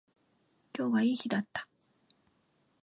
今日はいい日だった